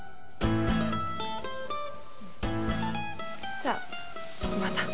じゃあまた。